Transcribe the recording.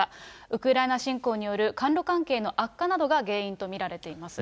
ウクライナ侵攻による韓ロ関係の悪化などが原因と見られています。